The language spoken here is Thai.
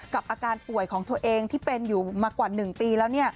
อาการป่วยของตัวเองที่เป็นอยู่มากว่า๑ปีแล้ว